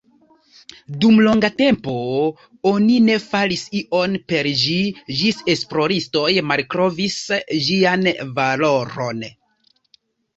Dum longa tempo oni ne faris ion per ĝi ĝis esploristoj malkovris ĝian valoron.